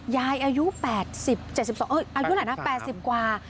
ยายอายุ๘๐๗๒อายุไหนนะ๘๐กว่า